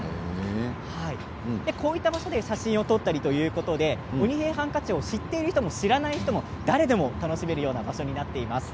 こういったところで写真を撮ったりして「鬼平犯科帳」を知っている人も知らない人も誰でも楽しめるような場所になっています。